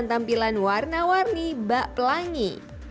tampilan warna warni bak pelangi